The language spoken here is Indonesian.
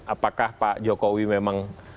apakah pak jokowi memang